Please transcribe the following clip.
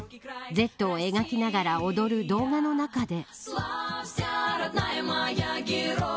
Ｚを描きながら踊る動画の中で。